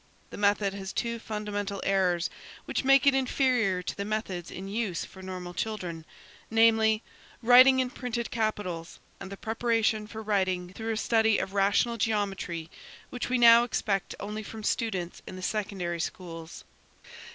The method has two fundamental errors which make it inferior to the methods in use for normal children, namely: writing in printed capitals, and the preparation for writing through a study of rational geometry, which we now expect only from students in the secondary schools.